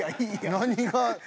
何が。